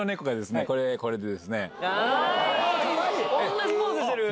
同じポーズしてる。